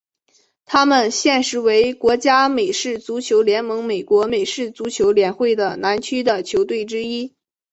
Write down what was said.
他们现时为国家美式足球联盟美国美式足球联会的南区的球队之一。